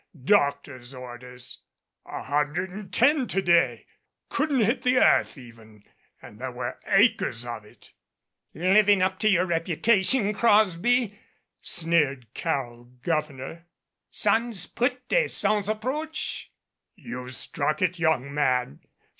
Doctor's orders. A hundred and ten to day. Couldn't hit the earth even and there were acres of it." "Living up to your reputation, Crosby," sneered Carol Gouverneur. "Sans putt et sans approach?" "You've struck it, young man.